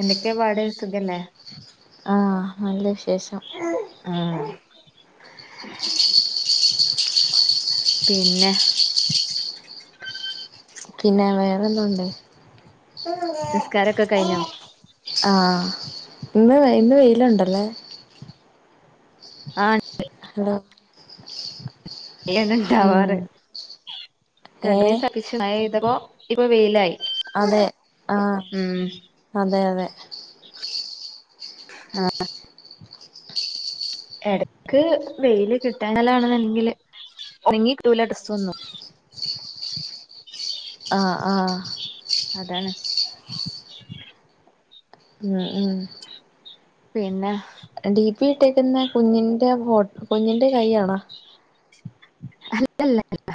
എന്തൊക്കെ പാട് സുഖല്ലേ ആഹ് നല്ല വിശേഷം. ആഹ് പിന്നെ? പിന്നെ വേറെന്തൊണ്ട്? നിസ്കാരൊക്കെ കഴിഞ്ഞോ ആഹ് ഇന്ന് ഇന്ന് വെയിലൊണ്ടല്ലെ? ആഹ് ഹലോ ഉം പെയ്യാണ്‌ണ്ടാവാറ് രണ്ട് ഏഹ് മൂന്നീസം അത്യാവശ്യം മഴ പെയ്തപ്പം ഇപ്പോ വെയിലായി അതെ ആഹ് ഉം അതെയതെ ആഹ് എടക്ക് വെയില് കിട്ടാങ്ങലാണെല്ലെങ്കില് ഉണങ്ങിട്ടൂല ഡ്രെസൊന്നും ആഹ് ആഹ് അതാണ് ഉം ഉം പിന്നെ? ഡി പി ഇട്ടേക്കുന്നെ കുഞ്ഞിന്റെ ഫോ കുഞ്ഞിന്റെ കയ്യാണ? അല്ലല്ലല്ല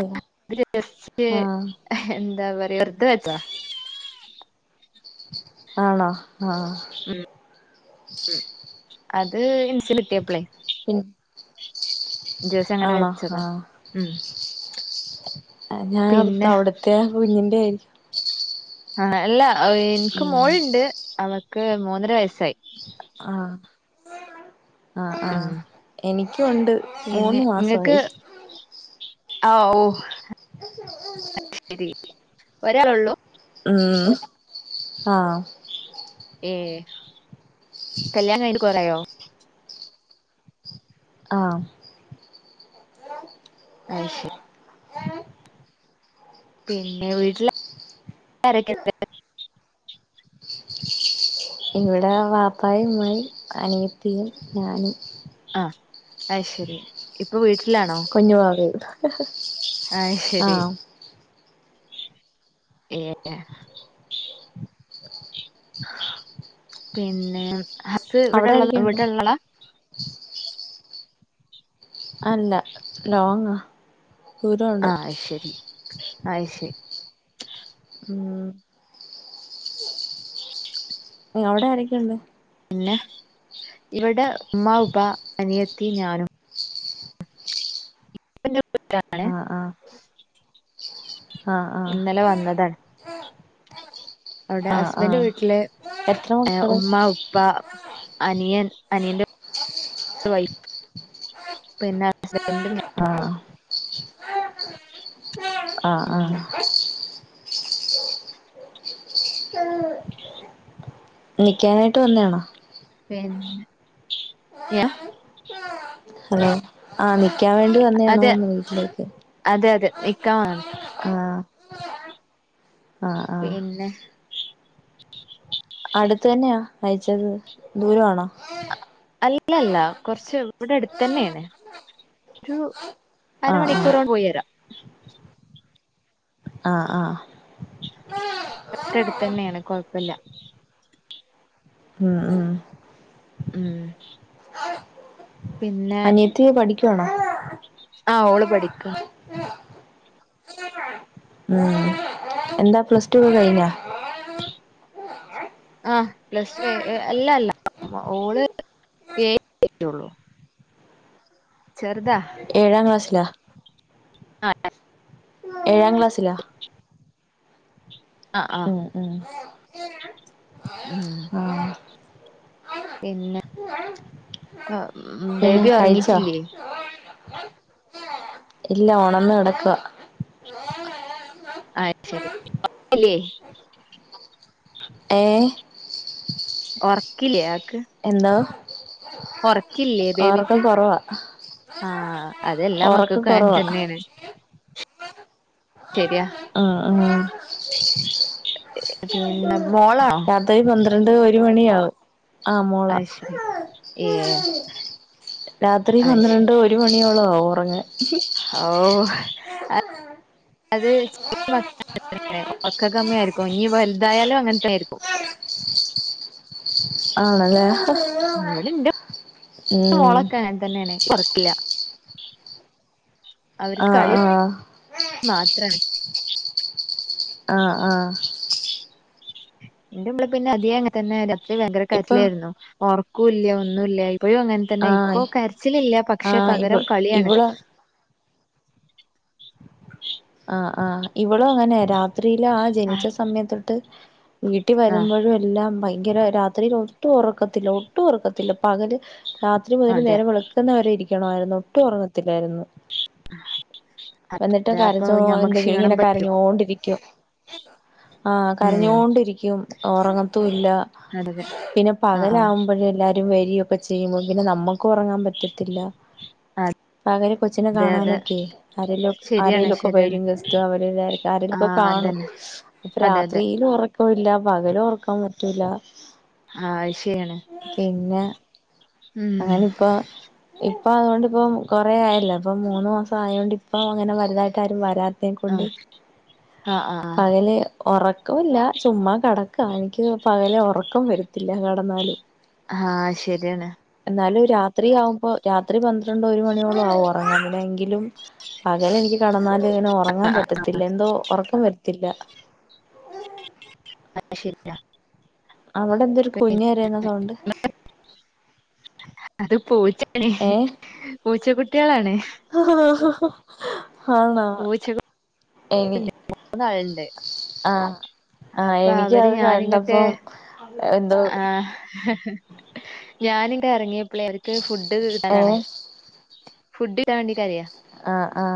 അല്ല അത് ജെസ്റ്റ് ആഹ് എന്താ പറയാ വെറുതെ വെച്ചതാ ആണോ ആഹ് ഉം അത് ഹിന്റല് കിട്ടിയപ്പളെ പിന്നെ ജസ്റ്റ് അങ്ങനെ ആണോ ആ വെച്ചതാ ഉം ഞാനോർത്തേ പിന്നെ അവിടത്തെ കുഞ്ഞിന്റെ ആയി ആ അല്ല എനിക്ക് ഉം മോള്ണ്ട് അവക്ക് മൂന്നര വയസ്സായി ആഹ് ആഹ് ഉം ആഹ് എനിക്കൊണ്ട് മൂന്ന് മാസവായി ആ ഓ ശരി ഒരാലുള്ളൂ ഉം ആഹ് ഏഹ് കല്യാണം കയിഞ്ഞിട്ട് കൊറായ്യോ? ആഹ്. ഐശേ പിന്നെ വീട്ട്ലാരൊക്കെണ്ട്? ഇവിടെ വാപ്പായുമ്മായും അനിയത്തിയും ഞാനും ആഹ് ഐ ശരി ഇപ്പൊ വീട്ടിലാണോ കുഞ്ഞു വാവയും ഐ ശരി ആഹ് ഏഹ് എ പിന്നെ ഹസ്സ് അവിടെ ഇവിടെള്ള ആരൊക്കെയുണ്ട് ഇവിടെള്ളളാ? അല്ല ലോങ്ങാ ആ ദൂരമുണ്ട് ഐശരി ഐശരി ഉം [inaudible] ങ്ങളോടെ ആരൊക്കെണ്ട്? പിന്നെ ഇവിടെ ഉമ്മാ ഉബ അനിയത്തി ഞാനും ൻ്റെ പൊന്നാങ്ങളേം ആഹ് ആഹ് ആഹ് ആഹ് അവിടെ ആഹ് ഹസ്ബന്റ് ആഹ് വീട്ടില് എത്ര മക്കള് ഉമ്മ ഉപ്പ അനിയൻ അനിയന്റെ പിന്നെ ഹസ്ബെൻ്റു ഞാ ആഹ് ആഹ് ആഹ് നിക്കാനായിട്ട് വന്നാണോ? പിന്നെ യാ ആഹ് ആ നിക്കാൻ വേണ്ടി വന്നേണോന്ന് വീട്ടിലേക്ക് അതെയതെ നിക്കാവാണ് ആഹ് ആഹ് ആഹ് പിന്നെ? അടുത്ത തന്നെയാ അയച്ചത് ദൂരാണോ? അല്ല അല്ല കോറച്ച് ഇവാടെ അടുത്ത തന്നേണ് ഒരു ആഹ് ആഹ് അരമണിക്കൂറോണ്ട് പോയി വരാം. ആഹ് ആഹ് തൊട്ടടുത്തെന്നേണ് കൊഴപ്പല്ല ഉം ഉം ഉം പിന്നെ അനിയത്തി പഠിക്കാണോ ആഹ് ഓള് പഠിക്ക ഉം എന്താ പ്ലസ് ടു ഒക്കെ കഴിഞ്ഞോ? [inaudible] ആഹ് പ്ലസ്ടു എ അല്ലല്ല ഓള് ഏഴ് റ്റൊള്ളൂ ചെറുതാ ഏഴാം ക്ലാസ്സിലാ ആഹ് ഏഴാം ക്ലാസ്സിലാ ആഹ് ആഹ് ഉം ഉം ഉം ആഹ് പിന്നെ ഉം പിന്നെ ബേബി കഴിച്ചോ ഒറങ്ങിട്ടില്ലേ ഇല്ല ഒണന്ന് കെടക്കാ അഹ് ശരി ഒറക്ക് ഇല്ലേ ഏഹ് ഒറക്കില്ല ആക്ക് എന്തോ ഒറക്കില്ലേ ഒറക്കം ബേബിക്ക് കൊറവാ ആഹ് അതെല്ലാ ഒറക്കം മക്കക്കും അങ്ങനെ കൊറവാ തന്നേയാണ്. ശരിയാ ആഹ് ആഹ് പിന്നെ മോളാണോ? രാത്രി പന്ത്രണ്ട് ഒരു മണിയാവും ആ മോള അത് ശരി ഏ രാത്രി അത് ശരി പന്ത്രണ്ട് ഒരു മണിയോളാവും ഒറങ്ങാൻ ഓഹ് അ അത് [unintelligible] ഒറക്ക കമ്മി ആയിരിക്കും ഇനി വലുതായാലും അങ്ങനത്തായിരിക്കും. ആണല്ലേ ഇവിടെന്റെ ഉം മോളക്കങ്ങൻ തന്നേണ് ഒറക്കില്ല അവർക്ക് ആഹ് കളി ആഹ് മാത്രാണ് ആഹ് ആഹ് എന്റെ മോള് പിന്നെ അധികം അങ്ങനെ തന്നെ രാത്രി ഭയങ്കര ഇപ്പൊ കരച്ചിലായിരുന്നു ഒറക്കൂല്ല്യാ ഒന്നുല്ല്യാ ഇപ്പഴും അങ്ങനെ തന്നെ ഇപ്പൊ ആഹ് കരച്ചിലില്ല പക്ഷെ ആഹ് ഇവ പകരം കളിയാണ് ഇവള് ആഹ് ആഹ് ഇവളും അങ്ങനെ രാത്രിയില് ആ ജനിച്ച സമയത്തൊട്ട് വീട്ടിൽ ആ വരുമ്പോഴും എല്ലാം ഭയങ്കര രാത്രിയിൽ ഒട്ടും ഉറക്കത്തില്ല ഒട്ടും ഉറക്കത്തില്ല പകല് രാത്രി മുതല് അതെ നേരെ വെളുക്കുന്നവരെ ഇരിക്കണമായിരുന്നു ഒട്ടും ഒറങ്ങത്തില്ലായിരുന്നു എന്നിട്ട് അതെ അപ്പൊ കരച്ചോ ഞമ്മക്ക് എന്തെങ്കിലും ക്ഷീണം ഇങ്ങനെ പറ്റും കരഞ്ഞോണ്ടിരിക്കും ആഹ് ഉം കരഞ്ഞോണ്ടിരിക്കും ഒറങ്ങത്തുല്ലാ അതെ പിന്നെ ആ ആ പകലാകുമ്പോഴ്‌ എല്ലാരും വരിയൊക്കെ ചെയ്യുമ്പോ പിന്നെ നമ്മുക്ക് ഒറങ്ങാൻ പറ്റ ത്തില്ല ആ, പകല് കൊച്ചിനെ അതെ അതെ കാണാനൊക്കെ ആരെലും ശരിയാണ് ആരെലൊക്കെ ശരിയാണ് വരും ഗസ്റ്റോ അവരെല്ലാർക്കും ആ ആരെലുമൊക്കെ കാണും അതന്നെ ഇപ്പ അതെ അതെ രാത്രിലും ഒറക്കവില്ല പകലും ഒറക്കാൻ പറ്റുല്ല- ആ ശരിയാണ് പിന്നെ ഉം അങ്ങനിപ്പോ ഇപ്പൊ അതുകൊണ്ടിപ്പം കൊറേ ആയല്ലോ ഇപ്പ മൂന്ന് മാസം ആയതോണ്ട് ഇപ്പ അങ്ങനെ വലുതായിട്ട് ആരും വരാ ആ തെകൊണ്ട് ആ ആ പകല് ഒറക്കവില്ല ചുമ്മാ കിടക്കാ എനിക്ക് പകല് ഒറക്കം വരത്തില്ല കിടന്നാലും ഹാ ശെരിയാണ്- എന്നാലും രാത്രിയാവുമ്പോൾ രാത്രി പന്ത്രണ്ട് ഒരു മണിയോളം ആവും ഒറങ്ങങ്ങണെങ്കിലും പകല് എനിക്ക് കിടന്നാലും ഇങ്ങനെ ഒറങ്ങാൻ പറ്റത്തില്ല എന്തോ ഒറക്കം വരത്തില്ല. അയ്ശെരി- അവിടെ എന്ത ഒരു കുഞ്ഞു കരയുന്ന സൗണ്ട്? അത് പൂച്ചയാണെ ആഹ് ആഹ് പൂച്ച കുട്ടികളാണ്- ഹൊ ആഹ് ആഹ് ആണോ? പൂച്ചകൾ എനി മൂന്നാളുണ്ട് ആ ആ അപ്പൊ അവര് എനിക്കത് ഞാനിങ്ങട്ട് കണ്ടപ്പം എന്തോ? ആഹ് ആഹ് ആഹ് ഞാനിങ്ങട്ട് ഇറങ്ങിയപ്പളെ അവർക്ക് ഫുഡ് ഏ കിട്ടാനാണ് ഫുഡ് കിട്ടാൻ വേണ്ടി കരയാ ആ ആ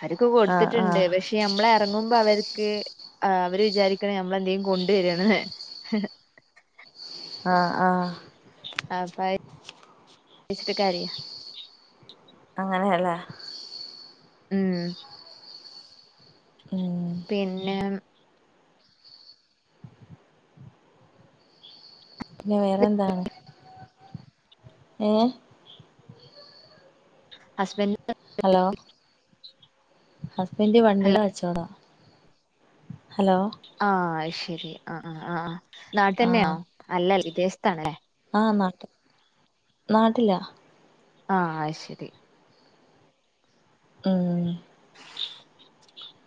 അവര്ക്ക് ആ കൊടുത്തിട്ടുണ്ട് പക്ഷെ ആ പക്ഷെ ഞമ്മള് ഇറങ്ങുമ്പോ അവര്ക്ക് അവര് വിചാരിക്കണ ഞമ്മളെന്തെലും കൊണ്ടുവരാണെന്ന്- ആഹ് ആഹ് ആപ്പ ച്ചിട്ട് കരയാ- അങ്ങനെയല്ലേ- ഉം. ഉം. പിന്നെ? പിന്നെ വേറെന്താണ്? ഏഹ് - ഹസ്ബൻഡിന് ഹലോ- ഹസ്ബന്റ് വണ്ടിയുടെ കച്ചവട ഹലോ- ആഹ് അത് ശെരി ആഹ് ആഹ് നാട്ട് തന്നെയോ ആഹ് അല്ല വിദേശത്താണ് അല്ലേ? ആഹ് നാ നാട്ടിലാ- ആഹ് അയ്ശെരി- ഉം.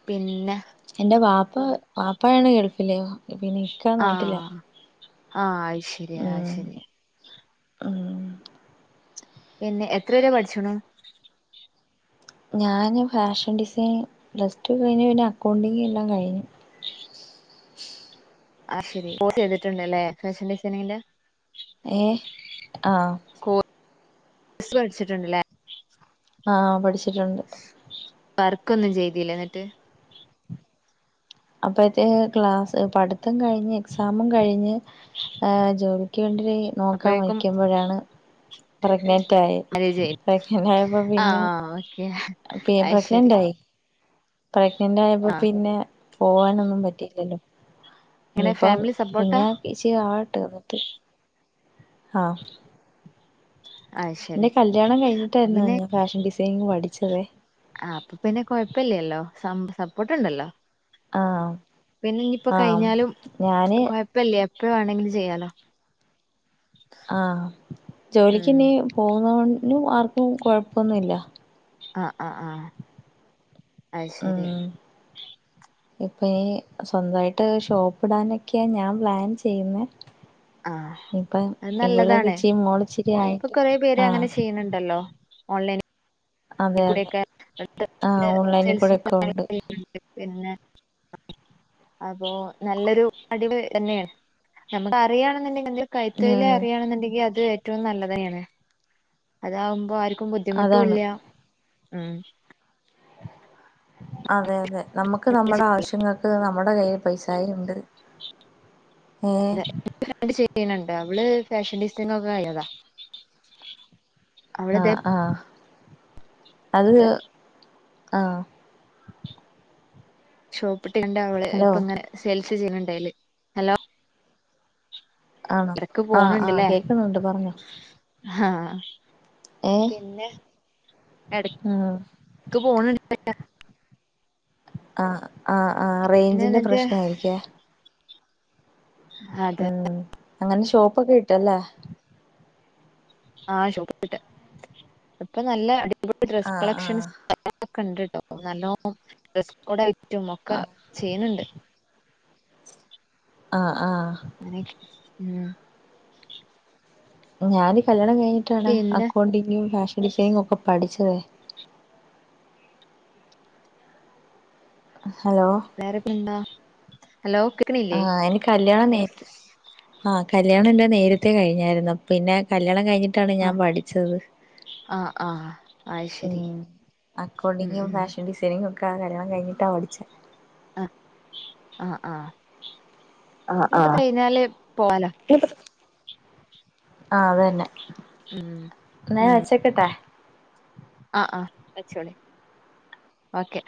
പിന്ന- എന്റെ വാപ്പ വാപ്പയാണ് ഗൾഫില്- പിന്നെ ഇക്ക നാട്ടില ആഹ് ആഹ് അയ് ശെരിയാ അയ് ശെരി- ആഹ്- പിന്നെ എത്ര വരെ പഠിച്ചുണു? ഞാന് ഫാഷൻ ഡിസൈൻ പ്ലസ് ടു കഴിഞ്ഞ് പിന്നെ അക്കൗണ്ടിങ് എല്ലാം കഴിഞ്ഞു. ആഹ് ശെരി കോഴ്സ് ചെയ്തിട്ടുണ്ടല്ലേ ഫാഷൻ ഡിസൈനിങ്ങിന്റെ? ഏഹ് ആഹ് - കോസ് പഠിച്ചിട്ടുണ്ടല്ലേ? ആഹ് പഠിച്ചിട്ടുണ്ട്. വർക്ക ഒന്നും ചെയ്തില്ല എന്നിട്ട്? അപ്പഴത്തെ ക്ലാസ് പഠിത്തം കഴിഞ്ഞ് എക്സാമും കഴിഞ്ഞ് ജോലി ക്ക് വണ്ടി നോക്കാൻ അപ്പോഴേക്കും മഴിക്കുമ്പോഴാണ് - പ്രഗ്നെന്റ് ആയി മാരേജ് ആയി പ്രഗ്നന്റ് ആയപ്പോ ആ പിന്നെ ഓക്കെ പി അത് ശരി പ്രഗ്നന്റ് ആയി പ്രഗ്നെറ് ആയപ്പോ ആ പിന്നെ പോവാന ഒന്നും പറ്റിയില്ലല്ലോ- ഇങ്ങനെ ഇനിയിപ്പ ഫാമിലി സപ്പോർട്ടാ കുഞ്ഞച്ചി ആവട്ടെ എന്നിട്ട് ആഹ് അത് എന്റെ ശരി കല്യാണം അപ്പൊ കഴിഞ്ഞിട്ടായിരുന്നു പിന്നെ ഞാ ഫാഷൻ ഡിസൈനിങ്ങ് പഠിച്ചതേ- ആഹ് അപ്പൊ പിന്നെ കൊഴപ്പില്ലല്ലോ സപ്പോർട്ട്ണ്ടല്ലോ- ആഹ് പിന്നെ ഇനിയിപ്പോ ആഹ് കഴിഞ്ഞാലും ഞാന് കൊഴപ്പില്ലേ എപ്പഴ വേണെങ്കിലും ചെയ്യാലോ? ആഹ് ജോലിക്ക് ഉം ഇനി പോകുന്ന കൊണ്ടും ആർക്കും കുഴപ്പമൊന്നുമില്ല ആഹ് ആഹ് ആഹ് അശരി ഉം ഇപ്പൊ ഈ സ്വന്തായിട്ട് ഷോപ്പ് ഇടാനൊക്കെയാ ഞാൻ പ്ലാൻ ചെയ്യുന്നേ ആഹ് ഇപ്പം അത് ഇവളൊക്കെ നല്ലതാണ് ഇച്ചിരി മോള് ഇച്ചിരി ഇപ്പൊ ആയിട്ട് കൊറ പേര് ആഹ് അങ്ങനെ ചെയ്യണണ്ടല്ലോ ഓൺലൈൻ അതെ ഓൺലൈനിൽ കൂടെ അതെ ഒക്കെ [inaudible] ആഹ് ഓൺലൈനിൽ കൂടെ ഒക്കെ ഉണ്ട് പിന്നെ അപ്പൊ നല്ലൊരു അടിവ് തന്നെയാണ് നമുക്ക് അറിയണെന്നുണ്ടെങ്കിൽ കൈത്തൊഴില ഉം അറിയണെന്നുണ്ടെങ്കിൽ അത് ഏറ്റവും നല്ലതെയാണ് അതാകുമ്പോ ആർക്കും അതാണ് ബുദ്ധിമുട്ടുംല്ല ഉം അതെ അതെ നമുക്ക് നമ്മുടെ ആവശ്യങ്ങൾക്ക് നമ്മുടെ കയ്യിൽ പൈസായ ഉണ്ട് ഏ ചെയ്യണണ്ട് അവള് ഫാഷൻ ഡിസൈന ഒക്കെ ആയതാ ആഹ് ആഹ് അത് ആഹ് ഷോപ്പ് ഇട്ടിണ്ട് അവള് ഹലോ ഇപ്പ ഇങ്ങനെ സെൽസ് ചെയ്യുന്നുണ്ടായില് ഹലോ ആണോ ഇടക്ക് ആഹ് പോണ് ആഹ് ണ്ട്ല്ലേ കേക്കുന്നുണ്ട് പറഞ്ഞോ ആഹ് ഏഹ് പിന്നെ എട ഉം ക്ക് [inaudible] ആഹ് ആ ആ പിന്നെ റേഞ്ചിന്റെ എന്നിട്ട് പ്രശ്ന ആയിരിക്കേ അതെ ഉം അങ്ങനെ ഷോപ്പൊക്കെ ഇട്ടല്ലേ ആഹ് ഷോപ്പ്ട്ട് ഇപ്പൊ നല്ല അടിപൊള ഡ്രസ് ആഹ് ആഹ് കളക്ഷൻസ് ക്കെണ്ട്ട്ടോ നല്ലോ ഡ്രസ്സ് കോഡ് ആയിട്ട് നമ്മക്ക് ആഹ് ചെയ്യുന്നുണ്ട് ആഹ് ആഹ് [unintelligible] ഉം ഞാൻ കല്യാണം കഴിഞ്ഞിട്ടാണ് പിന്നെ അക്കൗണ്ടിങ്ങും ഫാഷൻ ഡിസൈനിങ്ങും ഒക്കെ പഠിച്ചത് ഹലോ വേറെ പെന്താ ആഹ് എനി കല്ല്യാണം നെയ്റ്റ് ആഹ് കല്യാണം ഇന്ന് നേരത്തെ കഴിഞ്ഞായിരുന്നു പിന്നെ കല്യാണം കഴിഞ്ഞിട്ട് ണ് ആ ഞാൻ പഠിച്ചത് ആഹ് ആഹ് അയ് ശരി ഉം ഉം അക്കൗഡിംഗും ഉം ഫാഷൻ ഡിസൈ ങ്ങും ഒക്കെ കല്യാണം കഴഞ്ഞിട്ടാണ് പഠിച്ചത് ആഹ് ആഹ് ആഹ് ആഹ് ഇനിപ്പ കഴിഞ്ഞാല് പോവാലോ ആഹ് അത് അതന്നെ ഉം എന്നാല് വെച്ചക്കട്ടെ ആഹ് ആഹ് വച്ചോളി ഓക്കെ